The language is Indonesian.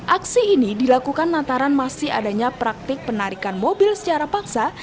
aksi ini dilakukan lantaran masih adanya praktik penarikan mobil secara paksa